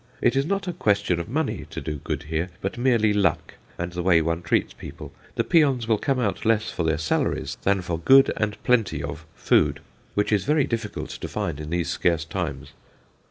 It is not a question of money to do good here, but merely luck and the way one treats people. The peons come out less for their salaries than for good and plenty of food, which is very difficult to find in these scarce times....